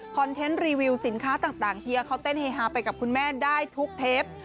เทนต์รีวิวสินค้าต่างเฮียเขาเต้นเฮฮาไปกับคุณแม่ได้ทุกเทป